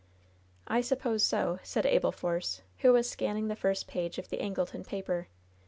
"I suppose so," said Abel Force, who was scanning the first page of the Angleton paper.